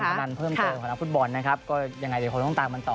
พนันเพิ่มเติมของนักฟุตบอลนะครับก็ยังไงเดี๋ยวคงต้องตามกันต่อ